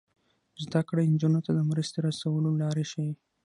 زده کړه نجونو ته د مرستې رسولو لارې ښيي.